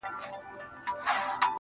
زه په دې خپل سركــي اوبـــه څـــښـمــه.